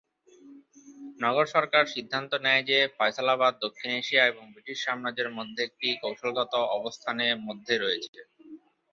নগর সরকার সিদ্ধান্ত নেয় যে, ফয়সালাবাদ দক্ষিণ এশিয়া এবং ব্রিটিশ সাম্রাজ্যের মধ্যে একটি কৌশলগত অবস্থানে মধ্যে রয়েছে।